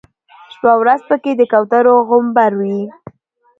شپه او ورځ په کې د کوترو غومبر وي.